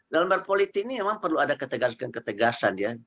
dalam berpolitik ini memang perlu ada ketegasan ketegasan ya